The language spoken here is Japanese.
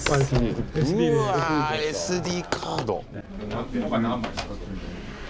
うわＳＤカード。